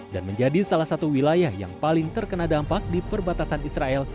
dan menjadi salah satu wilayah yang paling terkena dampak di perbatasan israel